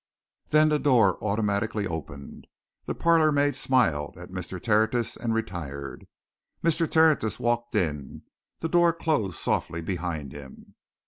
Then the door automatically opened, the parlourmaid smiled at Mr. Tertius and retired; Mr. Tertius walked in; the door closed softly behind him.